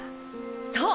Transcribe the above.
そう！